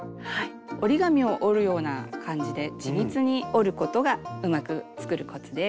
折り紙を折るような感じで緻密に折ることがうまく作るコツです。